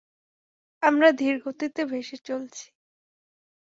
আমরা ধীরগতিতে ভেসে চলছি।